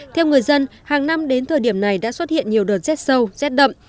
theo người dân hàng năm đến thời điểm này đã xuất hiện nhiều đợt rét sâu rét đậm